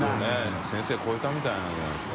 修Δ先生超えたみたいなんじゃないですか？